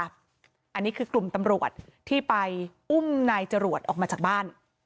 อันนี้คือกลุ่มตำรวจที่ไปอุ้มนายจรวดออกมาจากบ้าน